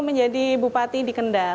menjadi bupati di kendal